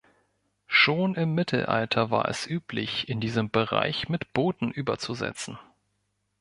Schon im Mittelalter war es üblich, in diesem Bereich mit Booten überzusetzen.